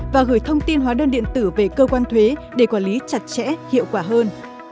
và gửi thông tin hóa đơn điện tử về cơ quan thuế để quản lý chặt chẽ hiệu quả hơn